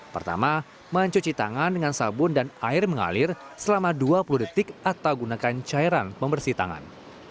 pertama mencuci tangan dengan sabun dan air mengalir selama dua puluh detik atau gunakan cairan pembersih tangan